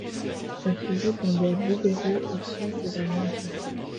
Elle se jette dans la Lubero, affluent de la Lindi.